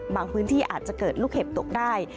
พื้นที่อาจจะเกิดลูกเห็บตกได้